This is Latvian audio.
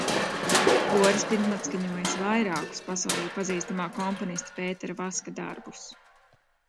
Koris pirmatskaņojis vairākus pasaulē pazīstamā komponista Pētera Vaska darbus.